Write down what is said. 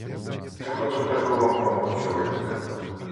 Так ото кажу вам про мого чоловіка.